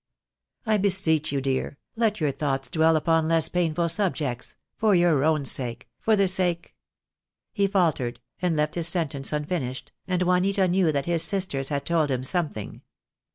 I beseech you, dear, let your thoughts dwell upon less painful subjects — for your own sake — for the sake —" He faltered, and left his sentence unfinished, and Juanita knew that his sisters had told him something.